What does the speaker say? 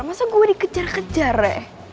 masa gue dikejar kejar ya